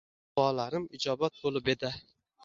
Duolarim ijobat bo‘lib edi.